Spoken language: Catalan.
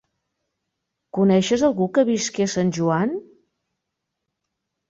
Coneixes algú que visqui a Sant Joan?